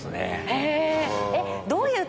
へぇ。